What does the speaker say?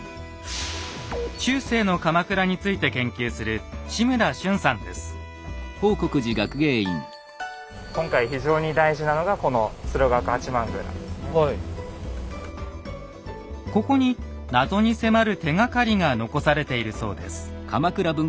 中世の鎌倉について研究する今回非常に大事なのがこのここに謎に迫る手がかりが残されているそうです。